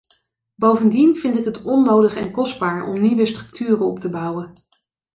Bovendien vind ik het onnodig en kostbaar om nieuwe structuren op te bouwen.